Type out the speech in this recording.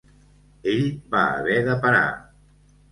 Ell va haver de parar